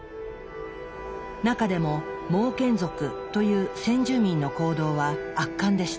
中でもモーケン族という先住民の行動は圧巻でした。